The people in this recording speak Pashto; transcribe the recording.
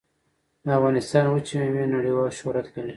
د افغانستان وچې میوې نړیوال شهرت لري